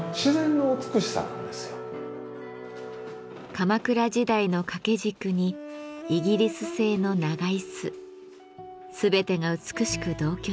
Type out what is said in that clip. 鎌倉時代の掛け軸にイギリス製の長椅子全てが美しく同居しています。